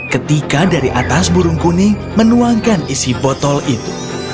ketika dari atas burung kuning menuangkan isi botol itu